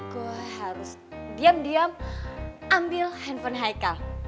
gue harus diam diam ambil handphone haikal